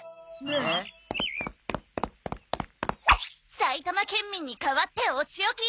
埼玉県民に代わってお仕置きよ。